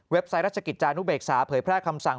ไซต์ราชกิจจานุเบกษาเผยแพร่คำสั่ง